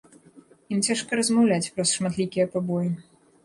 Ім цяжка размаўляць праз шматлікія пабоі.